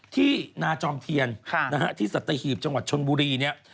ที่นาจอมเทียนที่สัตหีบจังหวัดชนบุรีเนี่ย